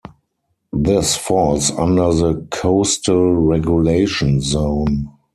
This falls under the Coastal Regulation Zone.